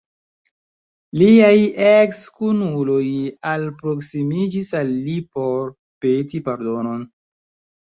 Liaj eks-kunuloj alproksimiĝis al li por peti pardonon.